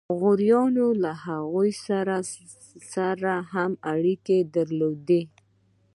غوریانو له هغوی سره هم اړیکې درلودې.